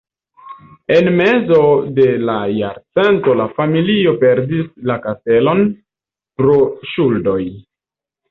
En mezo de la jarcento la familio perdis la kastelon pro ŝuldoj.